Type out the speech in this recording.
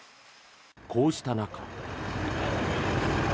こうした中。